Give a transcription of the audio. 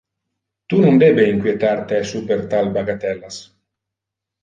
Tu non debe inquietar te super tal bagatellas.